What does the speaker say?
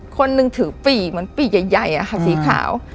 คนหนึ่งถือปี่เหมือนปีกใหญ่อะค่ะสีขาว